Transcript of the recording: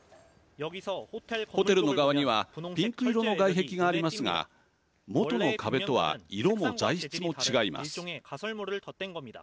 ホテルの側にはピンク色の外壁がありますが元の壁とは色も材質も違います。